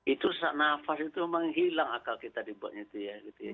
itu sesak nafas itu memang hilang akal kita dibuatnya itu ya